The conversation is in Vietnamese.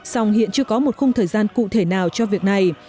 song hiện chưa có một khung thời gian cụ thể nào cho việc này